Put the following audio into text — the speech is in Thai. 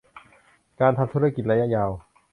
การทำธุรกิจระยะยาว